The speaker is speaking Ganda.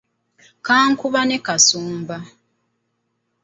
Kankuba ne kambuusa.